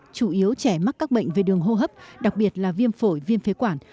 chủ yếu trẻ mắc các bệnh về đường hô hấp đặc biệt là viêm phổi viêm phế quản